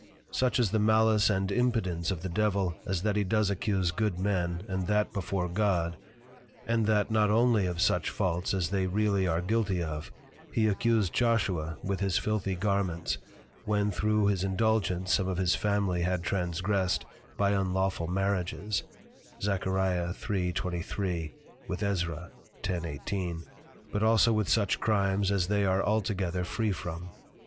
Such is the malice and impudence of the Devil, as that he does accuse good Men, and that before God, and that not only of such Faults as they really are guilty of, he accused Joshua with his filthy Garments, when through his Indulgence some of his Family had transgressed by unlawful Marriages, Zach. 3.23. with Ezra. 10.18. but also with such Crimes, as they are altogether free from.